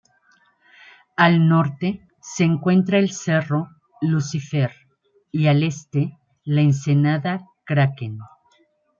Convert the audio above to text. Al norte se encuentra el cerro Lucifer y al este la ensenada Kraken.